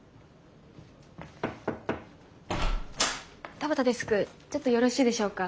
田端デスクちょっとよろしいでしょうか？